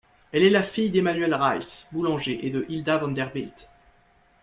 Elle est la fille d'Emanuel Rice, boulanger, et de Hilda Vanderbilt.